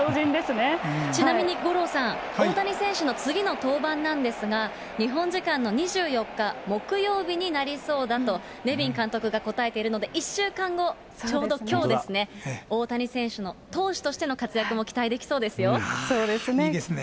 ちなみに五郎さん、大谷選手の次の登板なんですが、日本時間の２４日木曜日になりそうだと、ネビン監督が答えているので、１週間後、ちょうどきょうですね、大谷選手の投手としての活躍も期待できそうでそうですね。